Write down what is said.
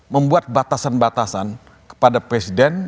membuat batasan batasan kepada presiden